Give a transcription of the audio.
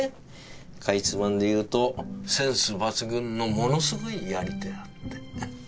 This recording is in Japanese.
かいつまんで言うとセンス抜群のものすごいやり手だって。